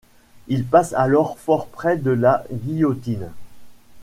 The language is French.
Il passe alors fort près de la guillotine.